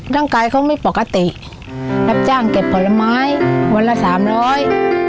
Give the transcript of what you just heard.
ร่างกายเขาไม่ปกติรับจ้างเก็บผลไม้วันละสามร้อย